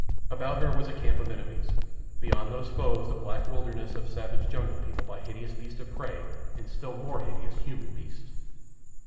About her was a camp of enemies. Beyond these foes a black wilderness of savage jungle peopled by hideous beasts of prey and still more hideous human beasts.